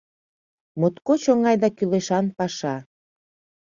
Моткоч оҥай да кӱлешан паша.